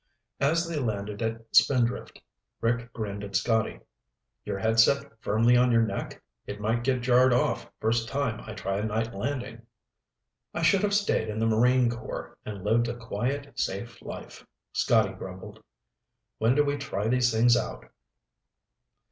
As they landed at Spindrift, Rick grinned at Scotty. "Your head set firmly on your neck? It might get jarred off first time I try a night landing." "I should have stayed in the Marine Corps and lived a quiet, safe life," Scotty grumbled. "When do we try these things out?"